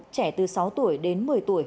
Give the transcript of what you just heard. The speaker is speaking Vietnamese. trẻ từ sáu tuổi đến một mươi tuổi